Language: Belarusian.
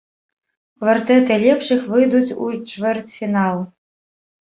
Квартэты лепшых выйдуць у чвэрцьфінал.